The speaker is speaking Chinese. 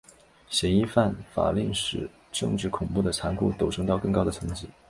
嫌疑犯法令使政治恐怖的残酷陡升到更高的层级。